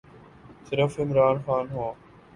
صرف عمران خان ہوں۔